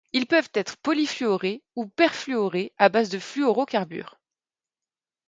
Ils peuvent être polyfluorés ou perfluorés à base de fluorocarbure.